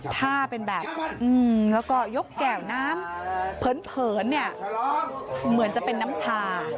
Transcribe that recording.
ถ้าเป็นแบบแล้วก็ยกแก่วน้ำเผินเนี่ยเหมือนจะเป็นน้ำชา